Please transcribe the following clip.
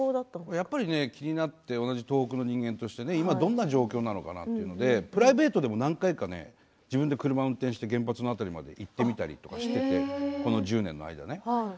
やっぱり気になって同じ東北の人間として今どんな状況なのかなってプライベートでも何回か自分で車を運転して原発の辺りまで行ってみたりとかして、この１０年の間に。